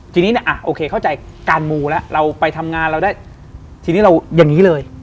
ทีนี้เนี่ยอ่ะโอเคเข้าใจการมูแล้วเราไปทำงานเราได้ทีนี้เราอย่างนี้เลย